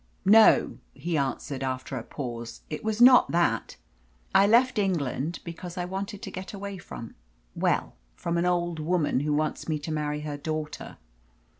"No," he answered after a pause, "it was not that. I left England because I wanted to get away from Well, from an old woman who wants me to marry her daughter.